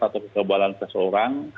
atau kekebalan seseorang